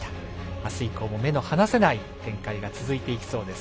あす以降も目の離せない展開が続いていきそうです。